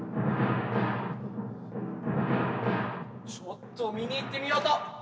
ちょっと見に行ってみようと思います。